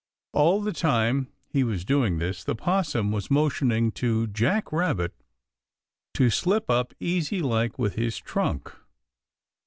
All the time he was doing this the 'Possum was motioning to Jack Rabbit to slip up easy like with his trunk.